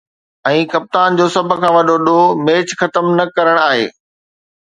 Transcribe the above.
۽ ڪپتان جو سڀ کان وڏو ”ڏوهه“ ميچ ختم نه ڪرڻ آهي.